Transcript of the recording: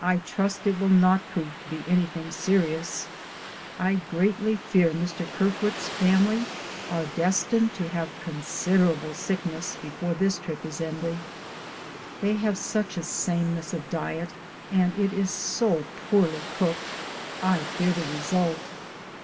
I trust it will not prove to be anything serious. I greatly fear Mr. Ker foot's family are des tined to have considerable sickness before DAYS ON THE ROAD. 115 this trip is ended. They have such a same ness of diet, and it is so poorly cooked I fear the result.